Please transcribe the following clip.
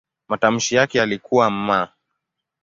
Matamshi yake yalikuwa "m".